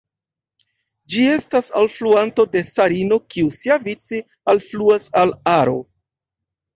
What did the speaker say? Ĝi estas alfluanto de Sarino, kiu siavice alfluas al Aro.